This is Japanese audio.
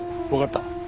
わかった。